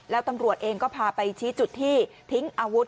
แล้วตำรวจเองก็พาไปชี้จุดที่ทิ้งอาวุธ